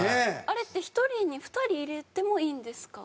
あれって１人に２人入れてもいいんですか？